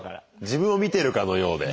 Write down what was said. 自分を見てるかのようで。